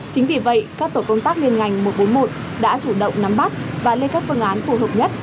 chính vì vậy các tổ công tác liên ngành một trăm bốn mươi một đã chủ động nắm bắt và lên các phương án phù hợp nhất